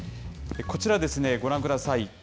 こちらですね、ご覧ください。